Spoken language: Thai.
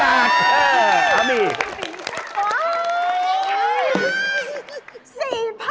เอออ้าวมี